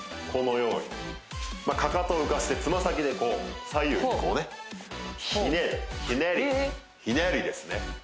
このようにかかと浮かしてつま先でこう左右にこうねこうひねるひねりひねりですね